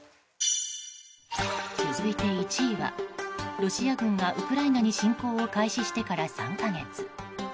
続いて１位はロシア軍がウクライナに侵攻を開始してから３か月。